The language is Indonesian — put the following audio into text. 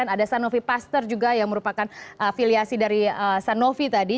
ada sanofi pasteur juga yang merupakan afiliasi dari sanofi tadi